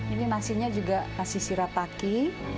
ini nasinya juga kasih sirataki